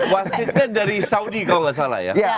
wasitnya dari saudi kalau nggak salah ya